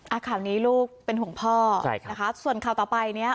อ่ะข่าวนี้ลูกเป็นห่วงพ่อใช่ครับนะคะส่วนข่าวต่อไปเนี้ย